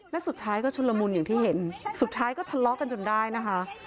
และสุดท้ายก็ชุนละมุนอย่างที่เห็นสุดท้ายก็ทะเลาะกันจนได้นะคะ